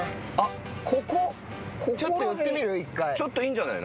ちょっといいんじゃない。